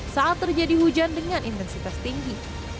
saat terjadi hujan dengan intensitas tinggi